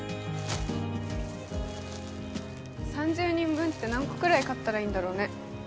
３０人分って何個くらい買ったらいいんだろうね？